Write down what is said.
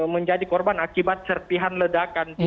menjadi korban akibat serpihan ledakan